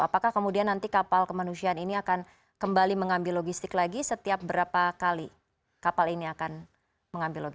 apakah kemudian nanti kapal kemanusiaan ini akan kembali mengambil logistik lagi setiap berapa kali kapal ini akan mengambil logis